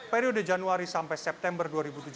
periode januari sampai september dua ribu tujuh belas